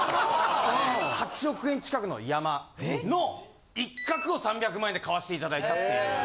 ８億円近くの山の一角を３００万円で買わして頂いたっていう。